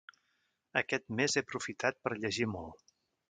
Aquest mes he aprofitat per llegir molt.